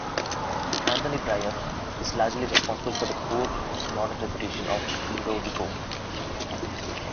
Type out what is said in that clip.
Anthony Bryer is largely responsible for the poor modern reputation of Ludovico.